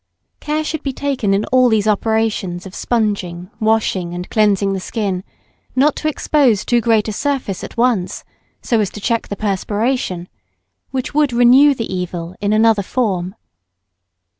Care should be taken in all these operations of sponging, washing, and cleansing the skin, not to expose too great a surface at once, so as to check the perspiration, which would renew the evil in another form.